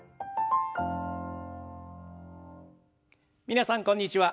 皆さんこんにちは。